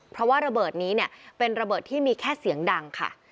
เพราะว่าระเบิดนี้เนี่ยเป็นระเบิดที่มีแค่เสียงดังค่ะ